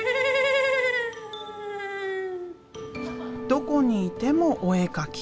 どこにいてもお絵描き。